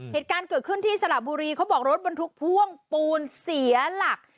เหตุการณ์เกิดขึ้นที่สระบุรีเขาบอกรถบรรทุกพ่วงปูนเสียหลัก